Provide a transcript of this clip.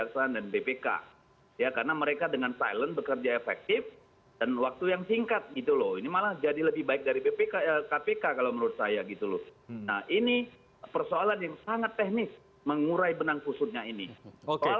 sebenarnya sudah dibail out kok